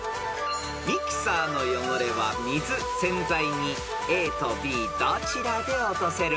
［ミキサーの汚れは水洗剤にＡとＢどちらで落とせる？］